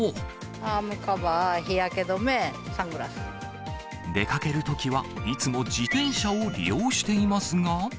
アームカバー、日焼け止め、出かけるときは、いつも自転車を利用していますが。